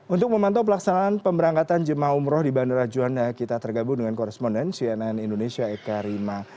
untuk memantau pelaksanaan pemberangkatan jemaah umroh di bandara juanda kita tergabung dengan koresponden cnn indonesia eka rima